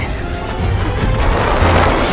aku harus mengelamatkannya